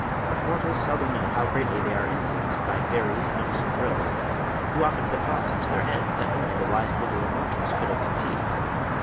Mortals seldom know how greatly they are influenced by fairies, knooks and ryls, who often put thoughts into their heads that only the wise little immortals could have conceived.